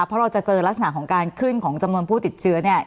เพราะเราจะเจอลักษณะของการขึ้นของจำนวนผู้ติดเชื้อเนี่ย